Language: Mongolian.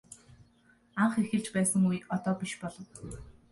Анх эхэлж байсан үе одоо биш болов.